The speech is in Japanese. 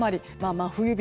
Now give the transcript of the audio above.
真冬日